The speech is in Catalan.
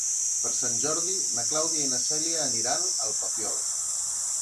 Per Sant Jordi na Clàudia i na Cèlia aniran al Papiol.